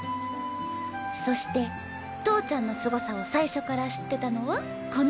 そして投ちゃんのすごさを最初から知ってたのはこの私。